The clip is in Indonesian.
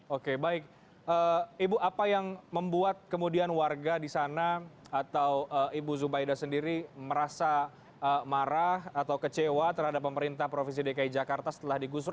oke baik ibu apa yang membuat kemudian warga di sana atau ibu zubaida sendiri merasa marah atau kecewa terhadap pemerintah provinsi dki jakarta setelah digusur